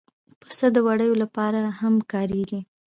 پسه د وړیو لپاره هم کارېږي.